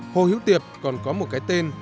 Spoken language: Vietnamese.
hồ hiếu tiệp còn có một cái tên